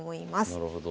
なるほど。